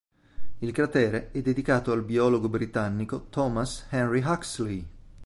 Il cratere è dedicato al biologo britannico Thomas Henry Huxley.